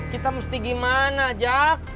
kita mesti gimana jack